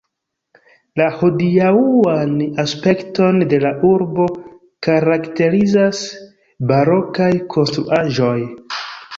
La hodiaŭan aspekton de la urbo karakterizas barokaj konstruaĵoj.